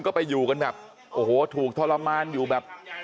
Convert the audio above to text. ก็ไปอยู่กันแบบโอ้โหถูกทรมานอยู่แบบ